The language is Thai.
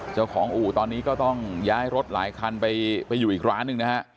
อู่ตอนนี้ก็ต้องย้ายรถหลายคันไปอยู่อีกร้านหนึ่งนะฮะ